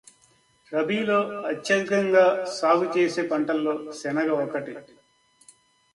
రబీలో అత్యధికంగా సాగు చేసే పంటల్లో శనగ ఒక్కటి.